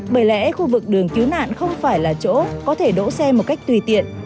bởi lẽ khu vực đường cứu nạn không phải là chỗ có thể đỗ xe một cách tùy tiện